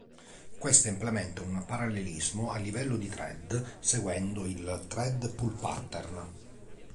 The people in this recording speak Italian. Questa implementa un parallelismo a livello di thread seguendo il thread pool pattern.